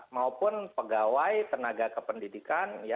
maupun pegawai tenaga kependidikan